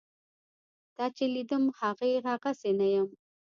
تا چې لیدم هغسې نه یم.